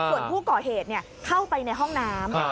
ส่วนผู้ก่อเหตุเข้าไปในห้องน้ำ